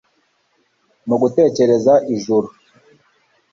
Mugutekereza Ijuru